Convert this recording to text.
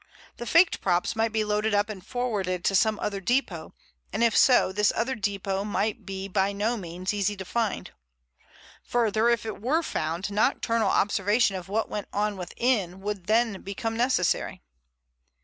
The faked props might be loaded up and forwarded to some other depot, and, if so, this other depot might be by no means easy to find. Further, if it were found, nocturnal observation of what went on within would then become necessary.